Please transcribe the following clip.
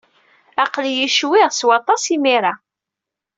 Aql-iyi ccwi s waṭas imir-a.